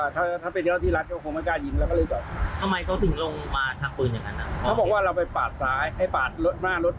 ถ้าเป็นรถที่รัดเขาคงไม่กล้ายิงเราก็เลยจอด